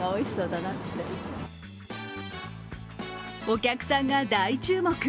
お客さんが大注目。